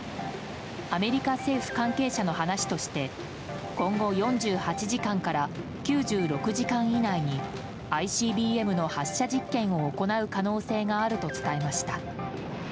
アメリカ政府関係者の話として今後４８時間から９６時間以内にＩＣＢＭの発射実験を行う可能性があると伝えました。